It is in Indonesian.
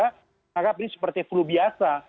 menganggap ini seperti flu biasa